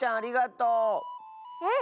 うん。